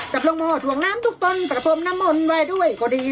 จับร่วงโมทวงน้ำทุกตนแตกผมน้ำมนต์ไว้ด้วยก็ดี